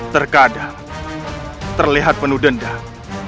terkadang terlihat penuh dendam